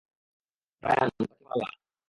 Ryan, তাকে ফালা!